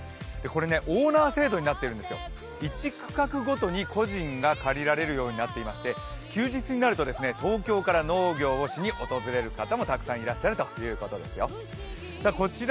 オーナー制度になっているんですよ、１区画ごとに借りられるようになっていまして休日になると東京から農業をしにたくさんいらっしゃるということですよ、こちら